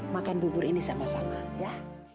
makan bubur ini sama sama ya